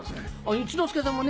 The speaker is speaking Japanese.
一之輔さんもね